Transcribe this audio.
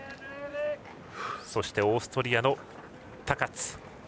そして、オーストリアのタカッツ。